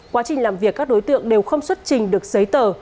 quá trình làm việc các đối tượng đều không xuất trình được giấy tờ